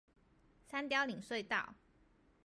三貂嶺隧道